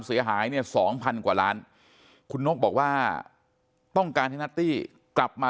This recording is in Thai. เสียหายเนี่ย๒๐๐กว่าล้านคุณนกบอกว่าต้องการให้นัตตี้กลับมา